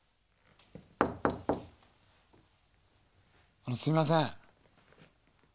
あのすいません。